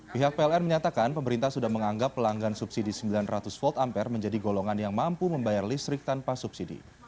pihak pln menyatakan pemerintah sudah menganggap pelanggan subsidi sembilan ratus volt ampere menjadi golongan yang mampu membayar listrik tanpa subsidi